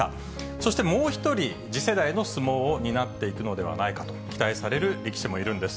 そして、もう１人、次世代の相撲を担っていくのではないかと期待される力士もいるんです。